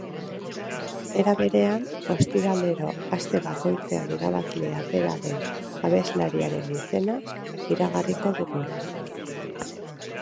Era berean, ostiralero aste bakoitzean irabazle atera den abeslariaren izena iragarriko dugu.